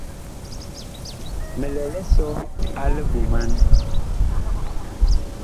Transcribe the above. Mi lɛ lisɔ a liɓoman.